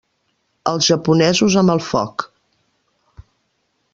Els japonesos amb el foc.